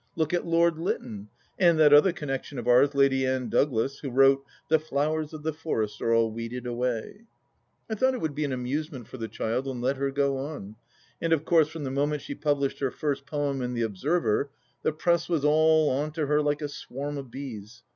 Look at Lord Lytton, and that other connexion of ours, Lady Anne Douglas, who wrote " The flowers of the forest are all weeded away !" I thought it would be an amusement for the child and let her go on, and of course from the moment she published her ' first poem in The Observer, the Press was all on to her like a swarm of bees.